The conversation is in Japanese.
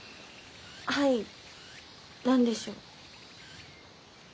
はい何でしょう？